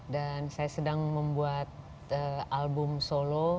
dan saya sedang membuat album solo